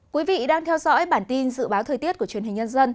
quý vị đang theo dõi bản tin dự báo thời tiết của truyền hình nhân dân